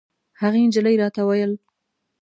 هغې نجلۍ راته ویل.